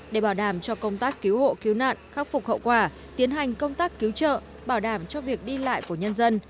để bảo đảm cho công tác cứu hộ cứu nạn khắc phục hậu quả tiến hành công tác cứu trợ bảo đảm cho việc đi lại của nhân dân